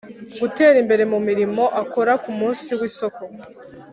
gutera imbere mu mirimo akora kumunsi wisoko